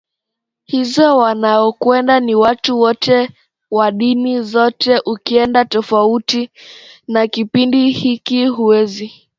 hizo wanaokwenda ni watu wote wa dini zote Ukienda tofauti na kipindi hiki huwezi